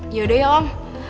yaudah ya om